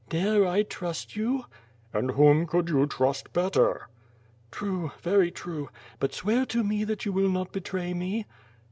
"Dare I trust you?" "And whom could you trust better?" "True, very true, but swear to me that you will not betray me!"